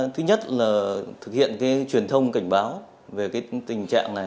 thứ nhất là thực hiện cái truyền thông cảnh báo về tình trạng này